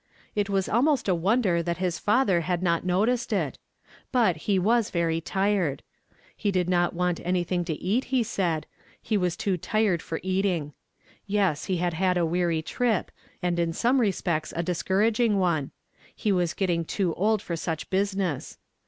It was almost a wonder that his father had not noticed it; but he was very tired. He did not want anything to eat, he said ; he was too tired for eating. Yes, he had had a weaiy trip, and in some respects a discouraging one ; he was getting too old for such business.